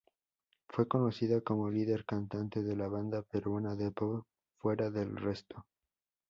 Fue conocida como líder cantante de la banda peruana de pop Fuera del resto.